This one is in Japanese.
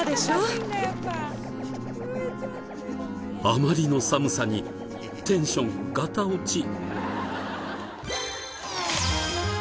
あまりの寒さにテンションガタ落ち。